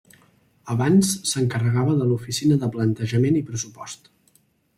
Abans s'encarregava de l'Oficina de Plantejament i Pressupost.